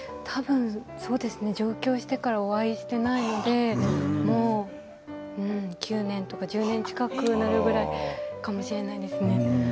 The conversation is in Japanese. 上京してからお会いしていないので９年とか１０年近くになるぐらいかもしれないですね。